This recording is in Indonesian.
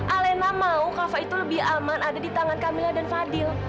alena mau kava itu lebih aman ada di tangan kamila dan fadil